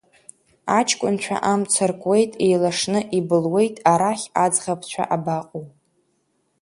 Аҷкәынцәа амца ркуеит, еилашны ибылуеит, арахь аӡӷабцәа абаҟоу.